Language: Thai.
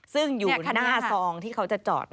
ซึ่งอยู่หน้าซองที่เขาจะจอด